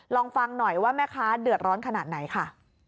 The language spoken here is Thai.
ลองฟังหน่อยว่าแม่ค้าเดือดร้อนขนาดไหนค่ะ